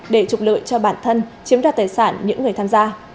để trục lợi cho bản thân chiếm đoạt tài sản những người tham gia